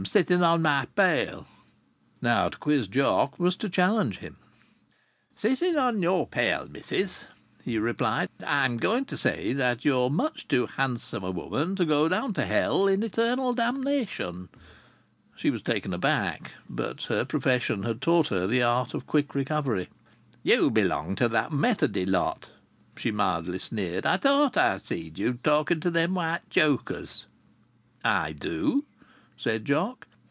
"Sitting on my pail!" Now to quiz Jock was to challenge him. "Sitting on your pail, missis," he replied, "I'm going for to say that you're much too handsome a woman to go down to hell in eternal damnation." She was taken aback, but her profession had taught her the art of quick recovery. "You belong to that Methody lot," she mildly sneered. "I thought I seed you talking to them white chokers." "I do," said Jock.